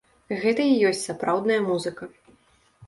Гэта і ёсць сапраўдная музыка!